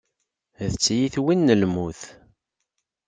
D tiyitwin n lmut.